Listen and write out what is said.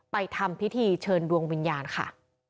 ทำพิธีเชิญดวงวิญญาณค่ะ